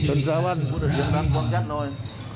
ขึ้นสาวรรค์สร้างตรงชาติร่อย